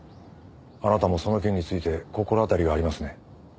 あなたもその件について心当たりがありますね？